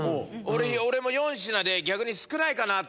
俺も４品で逆に少ないかなって。